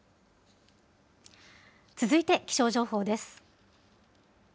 続いて、気象情報です。